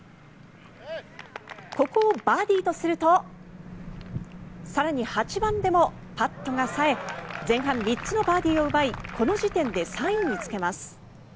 ここをバーディーとすると更に８番でもパットが冴え前半３つのバーディーを奪いこの時点で３位につけます。